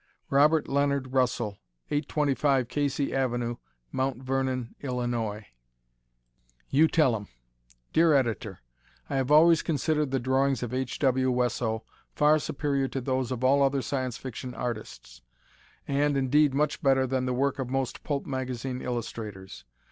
Robert Leonard Russell, 825 Casey Ave., Mt. Vernon, Illinois. You Tell 'Em! Dear Editor: I have always considered the drawings of H. W. Wesso far superior to those of all other Science Fiction artists, and, indeed, much better than the work of most pulp magazine illustrators.